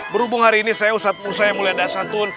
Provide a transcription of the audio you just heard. berhubung hari ini saya ustadz ustadz yang mulia dan santun